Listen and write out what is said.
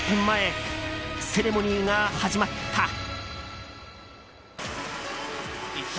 前セレモニーが始まった。